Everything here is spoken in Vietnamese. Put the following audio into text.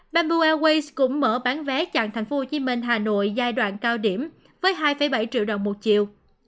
bamboo airways cũng mở bán vé chạm thành phố hồ chí minh hà nội giai đoạn cao điểm với hai bảy triệu đồng một triệu